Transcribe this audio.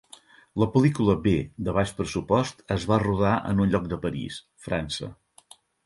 La pel·lícula B de baix pressupost es va rodar en un lloc de París, França.